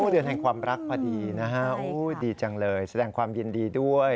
เดือนแห่งความรักพอดีนะฮะดีจังเลยแสดงความยินดีด้วย